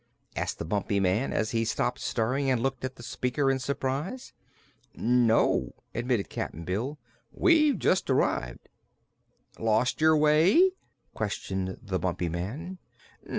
asked the Bumpy Man, as he stopped stirring and looked at the speaker in surprise. "No," admitted Cap'n Bill. "We've just arrived." "Lost your way?" questioned the Bumpy Man.